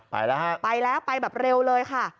ไปแล้วครับไปแล้วไปเร็วเลยค่ะ